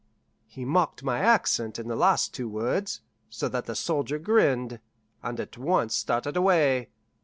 '" He mocked my accent in the last two words, so that the soldier grinned, and at once started away.